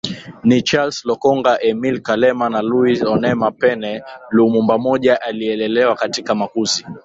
ni Charles Lokolonga Émile Kalema na Louis Onema Pene LumumbamojaAlilelewa katika makuzi